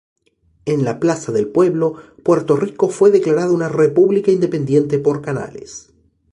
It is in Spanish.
En la plaza del pueblo, Puerto Rico fue declarado una república independiente por Canales.